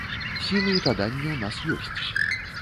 Сілы і жаданне ў нас ёсць.